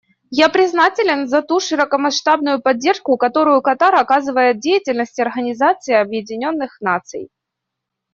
Я признателен за ту широкомасштабную поддержку, которую Катар оказывает деятельности Организации Объединенных Наций.